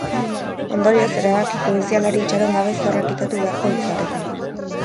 Ondorioz, erabaki judizialari itxaron gabe zorra kitatu beharko litzateke.